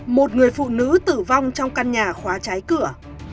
một người phụ nữ tử vong trong căn nhà khóa cháy cửa